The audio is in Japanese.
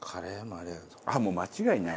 ああもう間違いない。